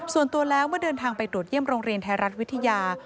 ส่วนตัวแล้วเมื่อเดินทางไปตรวจเยี่ยมโรงเรียนไทยรัฐวิทยา